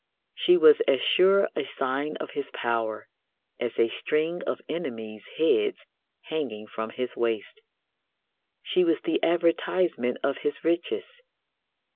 She was as sure a sign of his power as a string of enemies' heads hanging from his waist. She was the advertisement of his riches.